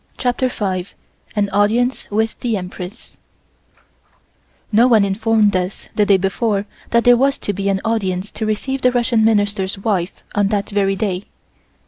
CHAPTER FIVE AN AUDIENCE WITH THE EMPRESS No one informed us the day before that there was to be an audience to receive the Russian Minister's wife on that very day.